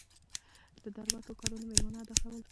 د دربار ټول کارونه میرمنو اداره کول.